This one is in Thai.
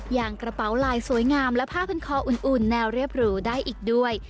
อย่างกระเป๋าลายสวยงามและผ้าพันคออุ่นแนวเรียบหรูได้อีกด้วย